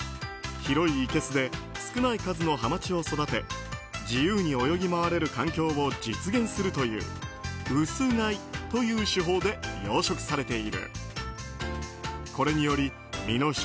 広いいけすで少ない数のハマチを育て自由に泳ぎ回れる環境を実現するという薄飼いという手法で養殖されている。